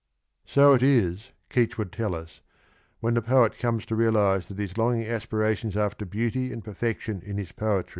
So it is, Keats would tell us. when the ooet comes • i to realise that his iongmg aspirations after beauty and j perfection in his poet!)'